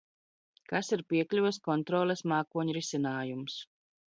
Kas ir piekļuves kontroles mākoņrisinājums?